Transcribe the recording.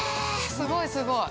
すごい、すごい。